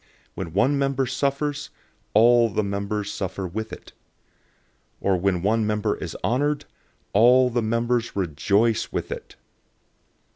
012:026 When one member suffers, all the members suffer with it. Or when one member is honored, all the members rejoice with it.